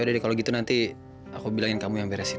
yaudah deh kalau gitu nanti aku bilangin kamu yang beresin